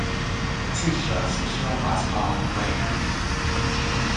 Teachers show us our way.